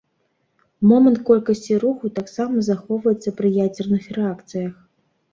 Момант колькасці руху таксама захоўваецца пры ядзерных рэакцыях.